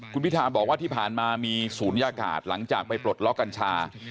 คุณพิธาบอกว่าที่ผ่านมามีศูนยากาศหลังจากไปปลดล็อกกัญชา